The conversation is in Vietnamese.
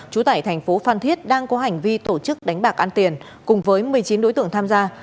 trú tại thành phố phan thiết đang có hành vi tổ chức đánh bạc ăn tiền cùng với một mươi chín đối tượng tham gia